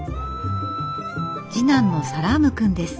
次男のサラームくんです。